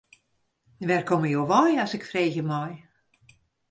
Wêr komme jo wei as ik freegje mei.